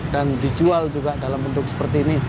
dan dijual juga dalam bentuk seperti ini